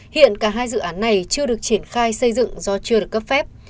hiện cả hai dự án này chưa được triển khai xây dựng do chưa được cấp phép